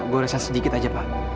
goresan sedikit aja pak